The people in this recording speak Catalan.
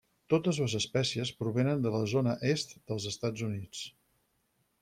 Totes les espècies provenen de la zona est dels Estats Units.